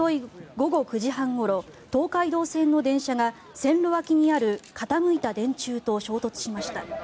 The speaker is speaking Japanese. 午後９時半ごろ東海道線の電車が線路脇にある傾いた電柱と衝突しました。